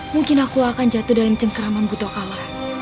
mungkin aku akan jatuh dalam cengkeraman butokala